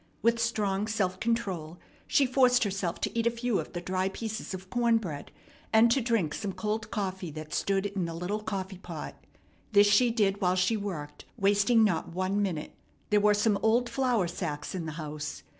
With strong self control she forced herself to eat a few of the dry pieces of corn bread, and to drink some cold coffee that stood in the little coffee pot. This she did while she worked, wasting not one minute. There were some old flour sacks in the house.